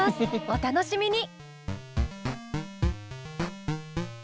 お楽しみに！